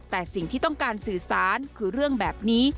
แต่สิ่งที่ต้องการสื่อสารคือเรื่องแบบนี้